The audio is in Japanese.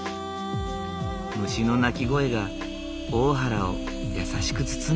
虫の鳴き声が大原を優しく包んでいる。